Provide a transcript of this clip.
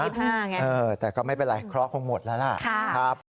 ๒๕อย่างงี้เออแต่ก็ไม่เป็นไรคล็อกคงหมดแล้วล่ะครับ